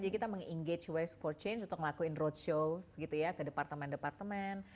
jadi kita meng engage waste for change untuk melakukan roadshow gitu ya ke departemen departemen